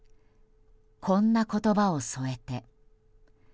こんな言葉を添えて。